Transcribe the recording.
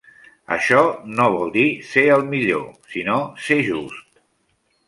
Això no vol dir ser el millor, sinó ser just.